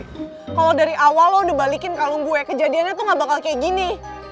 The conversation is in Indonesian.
kalau dari awal lo udah balikin kalung gue kejadiannya tuh gak bakal kayak gini